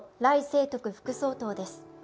清徳副総統です。